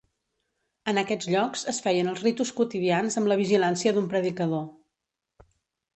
En aquests llocs, es feien els ritus quotidians amb la vigilància d'un predicador.